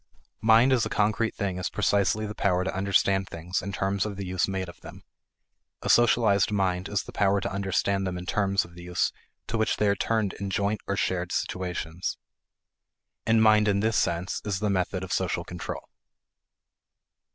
Mind as a concrete thing is precisely the power to understand things in terms of the use made of them; a socialized mind is the power to understand them in terms of the use to which they are turned in joint or shared situations. And mind in this sense is the method of social control.